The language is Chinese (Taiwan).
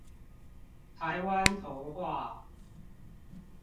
臺灣童話